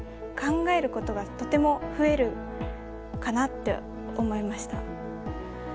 考えることがとても増えるかなって思いました。